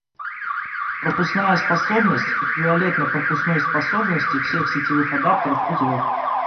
Пропускная способность эквивалентна пропускной способности всех сетевых адаптеров узлов